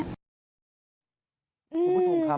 คุณผู้ชมครับ